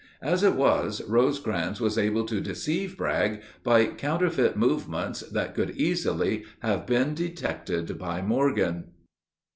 As it was, Rosecrans was able to deceive Bragg by counterfeit movements that could easily have been detected by Morgan.